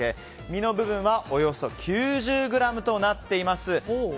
身の部分はおよそ９０ｇとなっています。